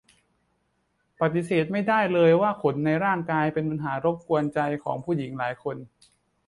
ปฎิเสธไม่ได้เลยว่าขนในร่างกายเป็นปัญหากวนใจของผู้หญิงหลายคน